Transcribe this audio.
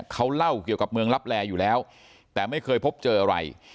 เขาเล่าเกี่ยวกับเมืองลับแลอยู่แล้วแต่ไม่เคยพบเจออะไร